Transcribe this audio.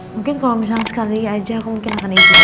mungkin kalau misalnya sekali aja aku akan izin